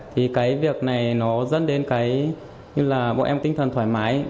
thì cái việc này nó dẫn đến cái như là bọn em tinh thần thoải mái